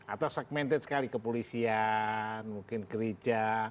atau segmented sekali ke polisian mungkin gereja